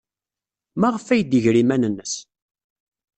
Maɣef ay d-iger iman-nnes?